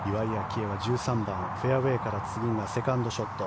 愛は１３番フェアウェーから次がセカンドショット。